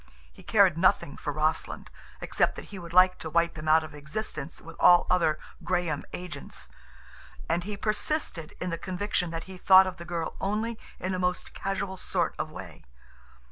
He cared nothing for Rossland, except that he would like to wipe him out of existence with all other Graham agents. And he persisted in the conviction that he thought of the girl only in a most casual sort of way.